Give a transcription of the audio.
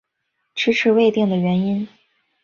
迟迟未定的原因